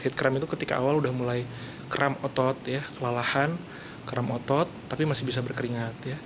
heat cramp itu ketika awal udah mulai kram otot kelalahan kram otot tapi masih bisa berkeringat